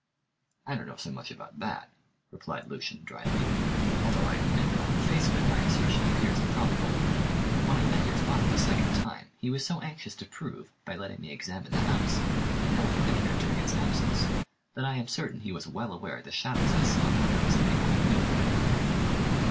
"I don't know so much about that," replied Lucian drily, "although I admit that on the face of it my assertion appears improbable. But when I met your father the second time, he was so anxious to prove, by letting me examine the house, that no one had entered it during his absence, that I am certain he was well aware the shadows I saw were those of people he knew were in the room.